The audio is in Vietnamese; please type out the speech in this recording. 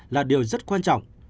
là điều rất quan trọng